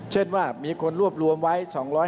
เช่นว่ามีคนรวบรวมไว้